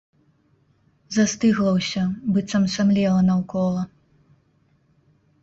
Застыгла ўсё, быццам самлела наўкола.